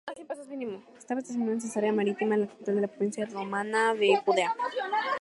Estaba estacionado en Cesarea Marítima, la capital de la provincia romana de Judea.